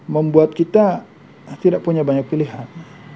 membuat kita tidak punya banyak pilihan